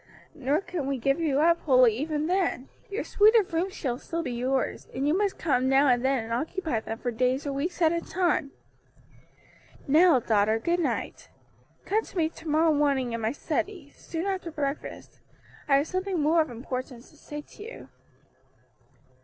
Nor can we give you up wholly even then; your suite of rooms shall still be yours, and you must come now and then and occupy them for days or weeks at a time. "Now, daughter, good night. Come to me to morrow morning in my study, soon after breakfast, I have something more of importance to say to you."